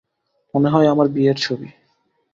মনে হয় আমার বিয়ের ছবি।